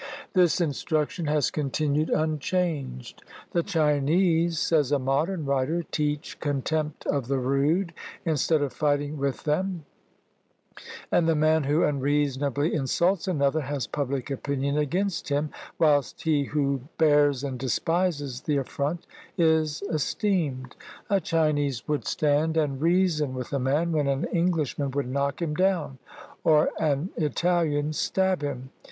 This instruction has continued 29 CHINA unchanged. "The Chinese," says a modern writer, "teach contempt of the rude, instead of fighting with them; and the man who imreasonably insults another has public opinion against him, whilst he who bears and despises the affront is esteemed. A Chinese would stand and reason with a man, when an Englishman would knock him down, or an Italian stab him.